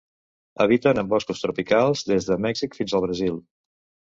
Habiten en boscos tropicals, des de Mèxic fins a Brasil.